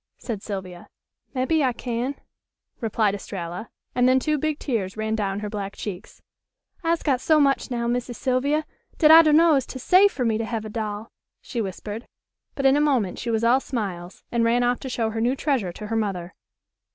said Sylvia. "Mebbe I can," replied Estralla, and then two big tears ran down her black cheeks. "I'se got so much now, Missy Sylvia, dat I dunno as 'tis safe fer me to hev a doll," she whispered; but in a moment she was all smiles, and ran off to show her new treasure to her mother.